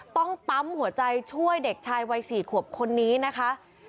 ต้องปั๊มหัวใจช่วยเด็กชายวัย๔ขวบคนนี้นะคะ